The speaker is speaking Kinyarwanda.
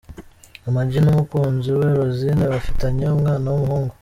Ama-G n’umukunzi we Rosine bafitanye umwana w’umuhungu.